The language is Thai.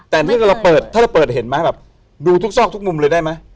แต่ถ้าเกิดเราเปิดถ้าเราเปิดเห็นไหมแบบดูทุกซอกทุกมุมเลยได้ไหม